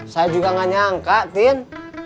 saya juga gak nyangka tien